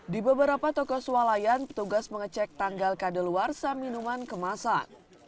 di beberapa toko sualayan petugas mengecek tanggal kade luar sam minuman kemasan